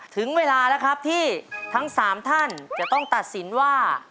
ถึงเวลาแล้วครับที่ทั้ง๓ท่านจะต้องตัดสินว่า